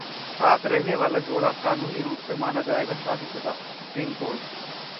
साथ रहने वाला जोड़ा कानूनी रूप से माना जाएगा शादीशुदा: सुप्रीम कोर्ट